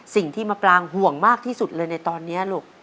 สิ่งที่มะปรางห่วงมากที่สุดเลยในตอนนี้ลูก